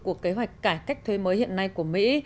của kế hoạch cải cách thuế mới hiện nay của mỹ